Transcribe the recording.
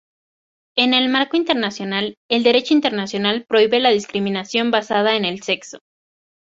En el marco internacional, el derecho internacional prohíbe la discriminación basada en el sexo.